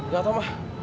gak tau mah